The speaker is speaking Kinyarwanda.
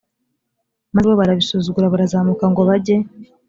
maze bo barabisuzugura barazamuka ngo bajye